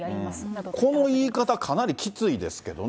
こういう言い方、かなりきついですけどね。